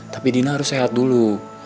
tapi dina harus sehat dulu